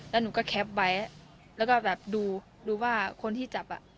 แล้วหนูก็แคปไว้แล้วก็แบบดูดูว่าคนที่จับอ่ะ